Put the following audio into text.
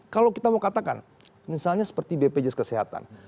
kalau kita mau katakan misalnya seperti bpjs kesehatan